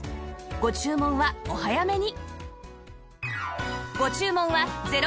ご注文はお早めに！